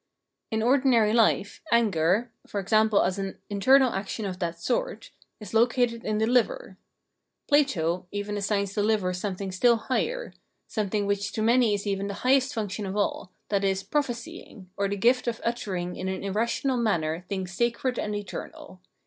In ordinary hfe, anger, e.g. as an internal action of that sort, is located in the hver. Plato * even * Timaus, 71, 72. Phrenology 315 assigns the liver something still higher, something which to many is even the highest function of all, viz. prophecying, or the gift of uttering in an irrational manner things sacred and eternal.